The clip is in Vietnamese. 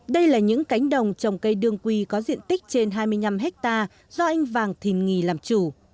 đây là những cánh đồng trồng cây đương quy có diện tích trên hai mươi năm hectare do anh vàng thìn nghì làm chủ